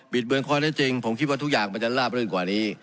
ดเบือนข้อได้จริงผมคิดว่าทุกอย่างมันจะลาบรื่นกว่านี้